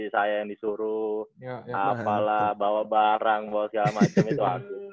saya yang disuruh apalah bawa barang bawa segala macam itu aku